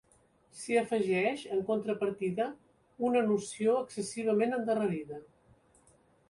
S'hi afegeix, en contrapartida, una noció excessivament endarrerida.